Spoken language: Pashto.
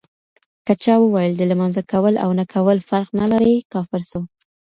که چا وويل د لمانځه کول اونه کول فرق نلري، کافر سو